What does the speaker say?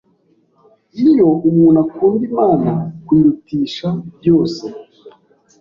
Iyo umuntu akunda Imana kuyirutisha byose,